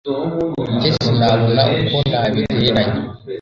jye sinabona uko nabigereranya